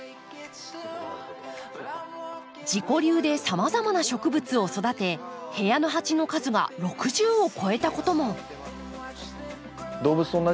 自己流でさまざまな植物を育て部屋の鉢の数が６０を超えたことも。